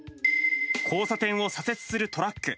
交差点を左折するトラック。